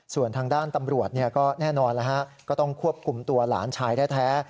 ส่วนทางด้านตำรวจก็แน่นอนก็ต้องควบคุมตัวหลานชายแท้